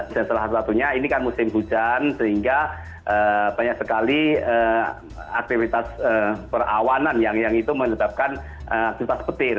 salah satunya ini kan musim hujan sehingga banyak sekali aktivitas perawanan yang itu menyebabkan aktivitas petir